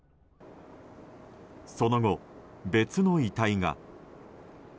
その後、別の遺体が。